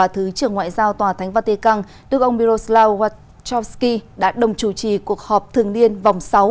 thứ trưởng ngoại giao tòa thánh vatican đức ông miroslawsky đã đồng chủ trì cuộc họp thường niên vòng sáu